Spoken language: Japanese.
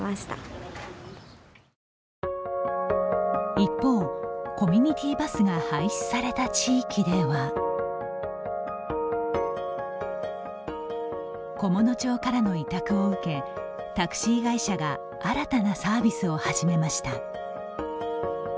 一方、コミュニティバスが廃止された地域では菰野町からの委託を受けタクシー会社が新たなサービスを始めました。